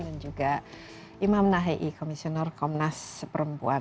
dan juga imam nahai komisioner komnas perempuan